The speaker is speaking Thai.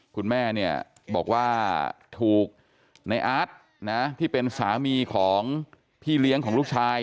คุณแม่เนี่ยบอกว่าถูกในอาร์ตนะที่เป็นสามีของพี่เลี้ยงของลูกชาย